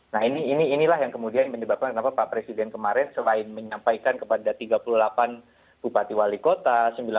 nah inilah yang kemudian menyebabkan kenapa pak presiden kemarin selain menyampaikan kepada tiga puluh delapan bupati wali kota